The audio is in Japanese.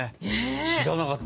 知らなかった。